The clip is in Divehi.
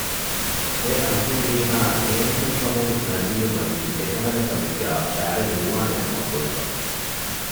އެއަންހެންމީހާ ހޭނެތުނުފަހުން ނަޒީލްވަނީ އެކަހަލަ ކަމެއްގައި ބައިވެރި ނުވާނެކަމަށް ބުނެފަ